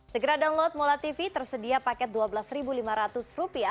segera download mola tv tersedia paket rp dua belas lima ratus